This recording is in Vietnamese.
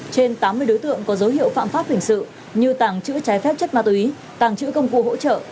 trên tám mươi đối tượng có dấu hiệu phạm pháp hình sự như tàng trữ trái phép chất ma túy tàng trữ công cụ hỗ trợ